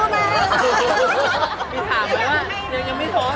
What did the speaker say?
ถามอะไรวะยังยังไม่ท้อเหรอ